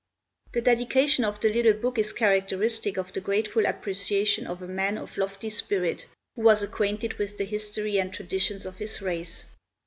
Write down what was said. The dedication of the little book is characteristic of the grateful appreciation of a man of lofty spirit, who was acquainted with the history and traditions of his race.